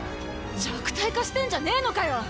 弱体化してんじゃねえのかよ！